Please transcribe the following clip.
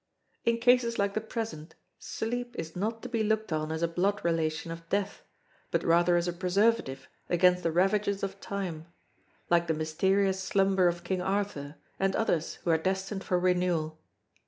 In cases like the present, sleep is not to be looked on as a blood relation of death but rather as a preservative against the ravages of time like the mysterious slumber of King Arthur and others who are destined for renewal.